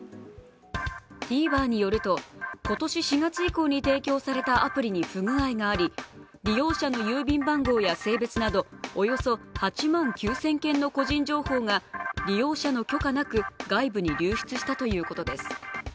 ＴＶｅｒによると、今年４月以降に提供されたアプリに不具合があり、利用者の郵便番号や性別などおよそ８万９０００件の個人情報が利用者の許可なく外部に流出したということです。